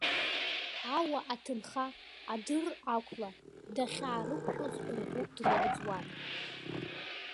Ауа-аҭынха, адыр-ақәла дахьаарықәшәоз ргәы днагәӡуан.